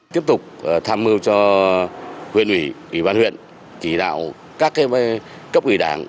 tiếp tục tham mưu cho huyện ủy ủy ban huyện chỉ đạo các cấp ủy đảng